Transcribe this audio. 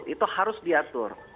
itu harus diatur